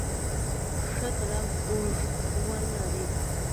ښه قلم اوږد عمر لري.